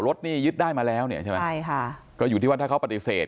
รถนี่ยึดได้มาแล้วเนี่ยใช่ไหมใช่ค่ะก็อยู่ที่ว่าถ้าเขาปฏิเสธ